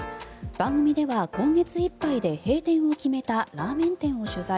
番組では今月いっぱいで閉店を決めたラーメン店を取材。